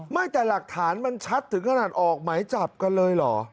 ไม่แต่หลักฐานมันชัดถึงขนาดออกหมายจับกันเลยเหรอ